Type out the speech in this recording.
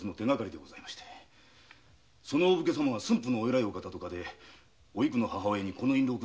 そのお武家様は駿府の偉い方とかでおいくの母親に印籠を。